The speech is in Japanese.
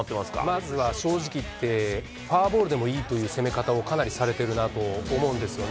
まずは正直言って、フォアボールでもいいという攻め方を、かなりされてるなと思うんですよね。